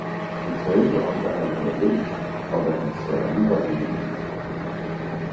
Han talte om hvad han havde læst, og hvad han særlig var inde i.